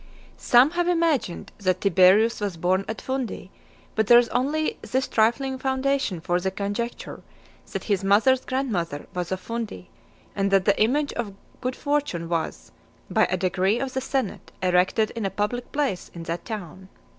V. Some have imagined that Tiberius was born at Fundi, but there is only this trifling foundation for the conjecture, that his mother's grandmother was of Fundi, and that the image of Good Fortune was, by a decree of the senate, erected in a public place in that town.